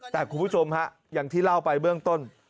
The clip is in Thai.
แต่คุณผู้ชมฮะอย่างที่เล่าไปเบื้องต้น